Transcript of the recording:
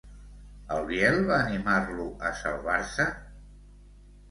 El Biel va animar-lo a salvar-se?